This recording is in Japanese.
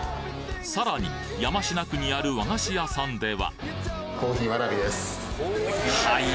さらに山科区にある和菓子屋さんでははい？